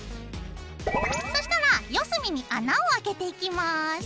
そしたら四隅に穴をあけていきます。